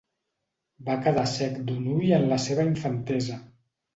Va quedar cec d'un ull en la seva infantesa.